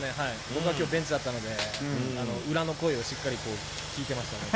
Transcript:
僕はきょうベンチだったので、裏の声をしっかり聞いてましたね。